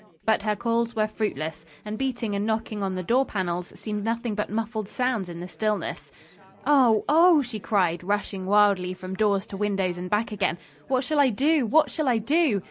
But her calls were fruitless, and beating and knocking on the door panels seemed nothing but muffled sounds in the stillness. "Oh! Oh!" she cried, rushing wildly from doors to windows and back again. "What shall I do! What shall I do?"